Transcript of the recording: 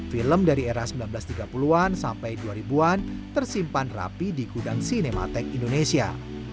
film dari era seribu sembilan ratus tiga puluh an sampai dua ribu an tersimpan rapi di gudang cinematech indonesia